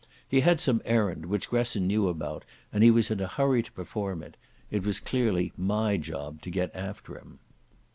He had some errand, which Gresson knew about, and he was in a hurry to perform it. It was clearly my job to get after him.